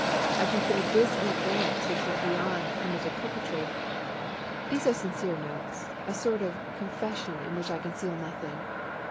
I considered this an advance which went be yond permitted coquetry. These are sincere notes, a sort of confession in which I conceal nothing.